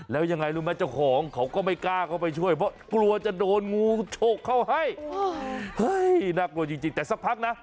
เฮ้ยน่ากลัวจริงแต่สักพักนะ